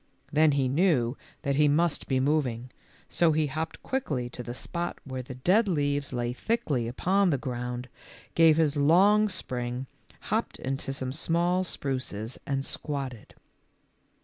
Then he knew that he must be moving, so he hopped quickly to the spot where the dead leaves lay thickly upon the ground, gave his long spring, hopped into some small spruces and squatted.